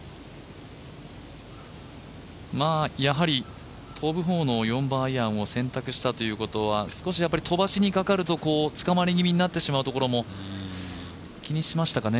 やはり、飛ぶ方の４番アイアンを選択したということは少し飛ばしにかかるとつかまり気味になってしまうのを気にしましたかね。